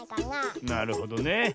なるほどね。